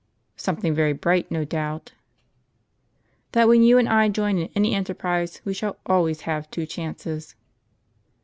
" Something very bright, no doubt." "That when you and I join in any enterprise, we shall alivays have two chances."